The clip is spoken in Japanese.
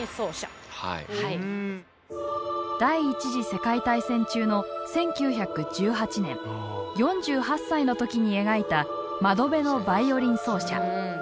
第１次世界大戦中の１９１８年４８歳の時に描いた「窓辺のヴァイオリン奏者」。